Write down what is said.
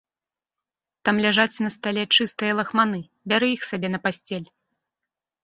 Там ляжаць на стале чыстыя лахманы, бяры іх сабе на пасцель.